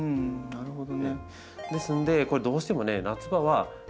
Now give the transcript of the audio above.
なるほど。